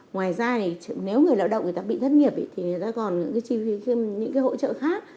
ngoài ra thì nếu người lao động người ta bị thất nghiệp thì người ta còn những cái hỗ trợ khác